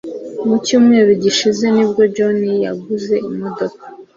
Mu cyumweru gishize nibwo John yaguze imodoka.